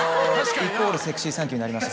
イコールセクシーサンキューになりました